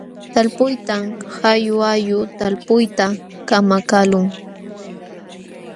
Talpuytam qalluqallu talpuyta kamakaqlun.